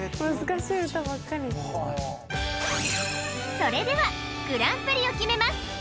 それではグランプリを決めます